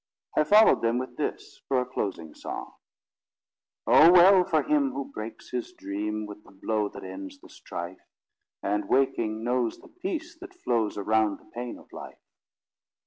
I followed them with this, for a closing song: Oh, well for him who breaks his dream With the blow that ends the strife And, waking, knows the peace that flows Around the pain of life!